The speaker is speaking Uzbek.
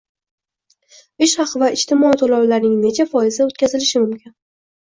Ish haqi va ijtimoiy to‘lovlarning necha foizi o‘tkazilishi mumkin?